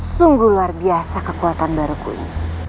sungguh luar biasa kekuatan baru ku ini